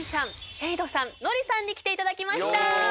ＳＨＡＤＥさんＮｏｒｉさんに来ていただきました。